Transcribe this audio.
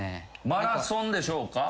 マラソンでしょうか？